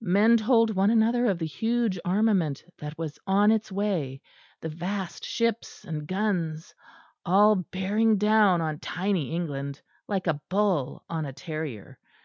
Men told one another of the huge armament that was on its way, the vast ships and guns all bearing down on tiny England, like a bull on a terrier.